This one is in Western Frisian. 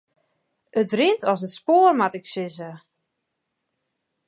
It rint as it spoar moat ik sizze.